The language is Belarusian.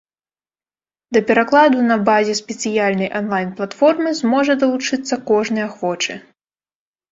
Да перакладу на базе спецыяльнай анлайн-платформы зможа далучыцца кожны ахвочы.